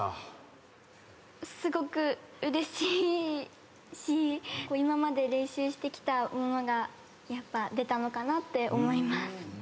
すごくうれしいし今まで練習してきたものがやっぱ出たのかなって思います。